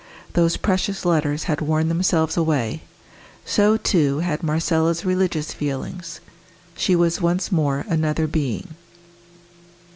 Those precious letters had worn themselves away; so, too, had Marcella's religious feelings; she was once more another being.